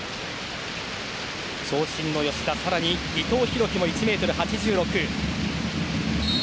長身の吉田更に伊藤洋輝も１ｍ８６。